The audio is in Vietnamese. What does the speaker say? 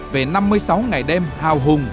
về năm mươi sáu ngày đêm hào hùng